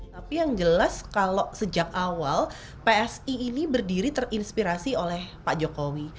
tapi yang jelas kalau sejak awal psi ini berdiri terinspirasi oleh pak jokowi